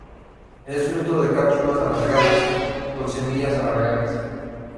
Es fruto en cápsulas alargadas, con semillas alargadas.